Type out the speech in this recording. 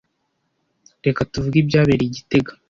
Reka tuvuge ibyabereye i gitega.